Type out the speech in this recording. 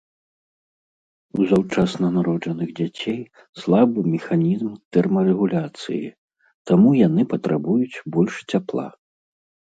У заўчасна народжаных дзяцей слабы механізм тэрмарэгуляцыі, таму яны патрабуюць больш цяпла.